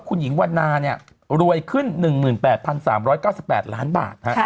คุณหญิงวันนาเนี่ยรวยขึ้น๑๘๓๙๘ล้านบาท